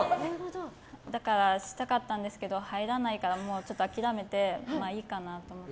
だから、したかったんですけど入らないから諦めて、いいかなと思って。